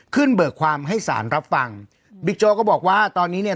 เบิกความให้สารรับฟังบิ๊กโจ๊กก็บอกว่าตอนนี้เนี่ย